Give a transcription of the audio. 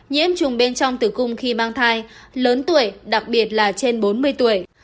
nhiễm trùng bên trong tử cung khi mang thai lớn tuổi đặc biệt là trên bốn mươi tuổi